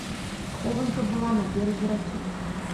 Схованка была на беразе ракі.